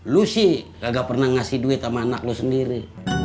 lu sih kagak pernah ngasih duit sama anak lo sendiri